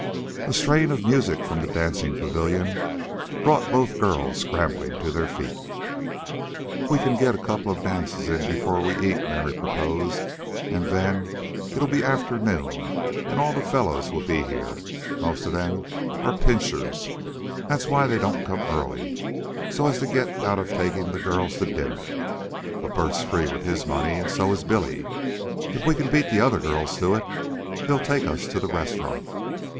A strain of music from the dancing pavilion brought both girls scrambling to their feet. "We can get a couple of dances in before we eat," Mary proposed. "An' then it'll be afternoon an' all the fellows 'll be here. Most of them are pinchers that's why they don't come early, so as to get out of taking the girls to dinner. But Bert's free with his money, an' so is Billy. If we can beat the other girls to it, they'll take us to the restaurant.